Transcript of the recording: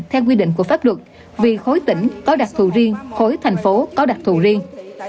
theo quy định của pháp luật vì khối tỉnh có đặc thù riêng khối thành phố có đặc thù riêng